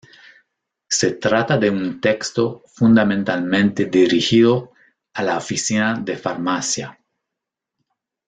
Se trata de un texto fundamentalmente dirigido a la oficina de farmacia.